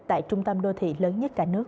tại trung tâm đô thị lớn nhất cả nước